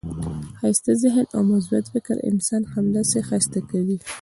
ښایسته ذهن او مثبت فکر انسان همداسي ښایسته کوي.